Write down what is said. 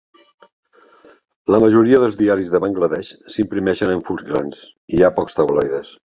La majoria dels diaris de Bangladesh s'imprimeixen en fulls grans; hi ha pocs tabloides.